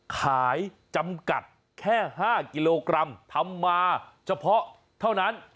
จำกัดแค่๕กิโลกรัมทำมาเฉพาะเท่านั้น